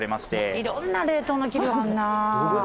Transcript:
いろんな冷凍の機能あんな。